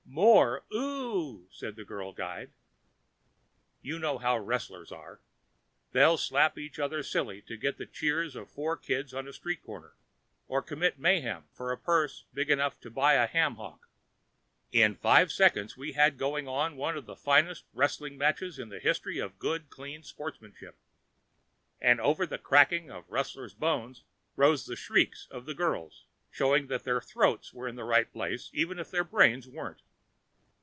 "More ooh!" said the girl guide. You know how wrestlers are. They'll slap each other silly to get the cheers of four kids on a street corner, or commit mayhem for a purse big enough to buy a ham hock. In five seconds, we had going one of the finest wrestling matches in the history of good, clean sportsmanship. And over the cracking of wrestler's bones rose the shrieks of the girls, showing that their throats were in the right place, even if their brains weren't.